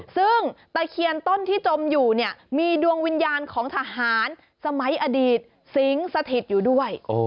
ซึ่งตะเคียนต้นที่จมอยู่เนี่ยมีดวงวิญญาณของทหารสมัยอดีตสิงสถิตอยู่ด้วย